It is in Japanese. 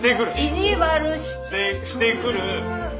意地悪してくる。